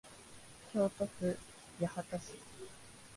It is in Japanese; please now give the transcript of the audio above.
京都府八幡市